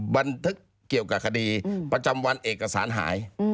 บันทึกเกี่ยวกับคดีประจำวันเอกสารหาย